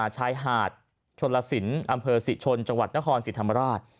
ชายหาดชนลสินอำเภอศรีชนจังหวัดนครศรีธรรมราช